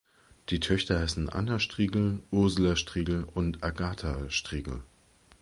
Die Töchter hießen Anna Strigel, Ursula Strigel und Agatha Strigel.